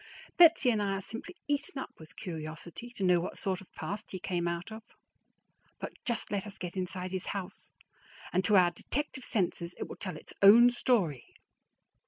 Betsy and I are simply eaten up with curiosity to know what sort of past he came out of; but just let us get inside his house, and to our detective senses it will tell its own story.